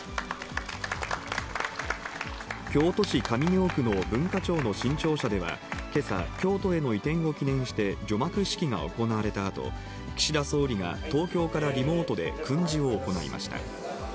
京都市上京区の文化庁の新庁舎では、けさ、京都への移転を記念して除幕式が行われたあと、岸田総理が東京からリモートで訓示を行いました。